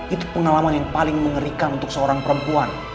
itu pengalaman yang paling mengerikan untuk seorang perempuan